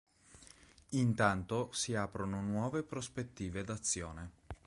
Intanto si aprono nuove prospettive d'azione.